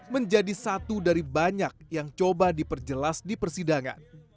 menjadi satu dari banyak yang coba diperjelas di persidangan